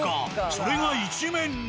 それが一面に！